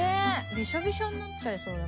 びしょびしょになっちゃいそうだけど。